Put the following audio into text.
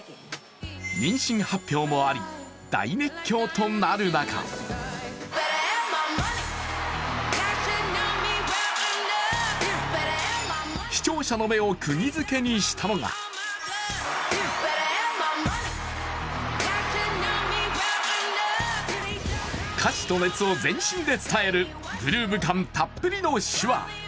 妊娠発表もあり、大熱狂となる中視聴者の目をくぎづけにしたのが歌詞と熱を全身で伝えるグルーヴ感たっぷりの手話。